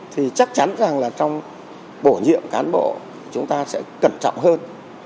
thì chắc chắn rằng là trong bổ nhiệm cán bộ chúng ta sẽ cẩn trọng hơn